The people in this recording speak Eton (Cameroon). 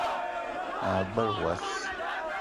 Ma gbele wass